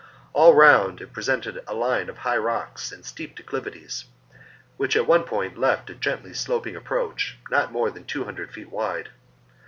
^ All round, it presented a line of high rocks and steep declivities, which at one point left a gently sloping approach, not more than two hundred feet wide.